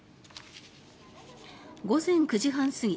午前９時半過ぎ